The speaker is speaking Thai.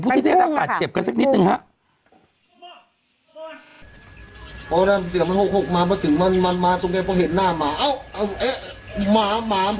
พูดที่เนี่ยรักษาเจ็บกันสักนิดนึงฮะ